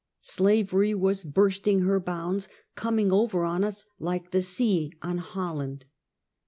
Slavery was bursting her bounds, coming over on us like the sea on Holland.